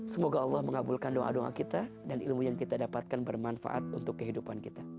semoga allah mengabulkan doa doa kita dan ilmu yang kita dapatkan bermanfaat untuk kehidupan kita